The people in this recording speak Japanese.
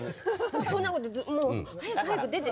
そんなこともう早く早く出て。